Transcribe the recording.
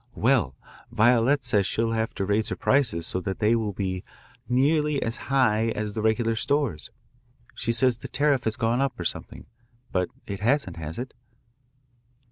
Well, Violette says she'll have to raise her prices so that they will be nearly as high as the regular stores. She says the tariff has gone up, or something, but it hasn't, has it?"